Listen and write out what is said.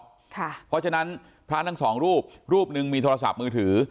เพราะฉะนั้นพระทั้งสองรูปรูปหนึ่งมีโทรศัพท์มือถือ